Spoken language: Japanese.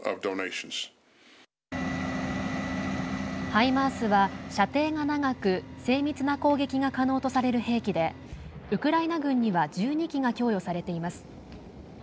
ハイマースは射程が長く精密な攻撃が可能とされる兵器でウクライナ軍には１２基が供与されています。